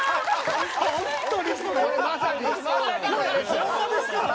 ホンマですからね。